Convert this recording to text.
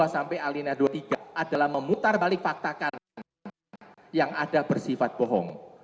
sampai alinia dua puluh tiga adalah memutar balik faktakan yang ada bersifat bohong